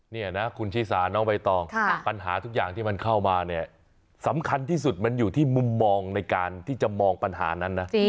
นี่นะคุณชิสาน้องใบตองปัญหาทุกอย่างที่มันเข้ามาเนี่ยสำคัญที่สุดมันอยู่ที่มุมมองในการที่จะมองปัญหานั้นนะ